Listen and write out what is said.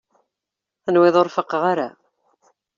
Tenwiḍ ur faqeɣ ara?